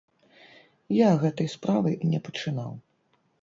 Я гэтай справы не пачынаў.